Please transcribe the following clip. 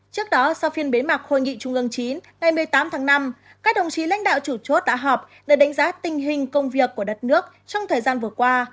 trước đó sau phiên bế mạc hội nghị trung ương chín ngày một mươi tám tháng năm các đồng chí lãnh đạo chủ chốt đã họp để đánh giá tình hình công việc của đất nước trong thời gian vừa qua